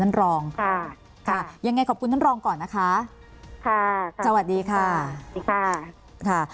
ท่านรองค่ะค่ะยังไงขอบคุณท่านรองก่อนนะคะค่ะสวัสดีค่ะสวัสดีค่ะค่ะ